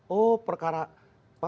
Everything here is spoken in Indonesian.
oh perkara apa